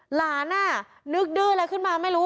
น่ะนึกดื้ออะไรขึ้นมาไม่รู้